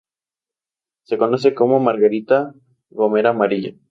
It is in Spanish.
Se conoce como "margarita gomera amarilla".